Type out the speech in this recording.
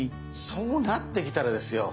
そうなってきたらですよ。